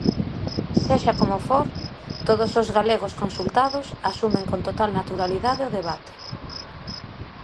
Sexa como for, todos os galegos consultados asumen con total naturalidade o debate.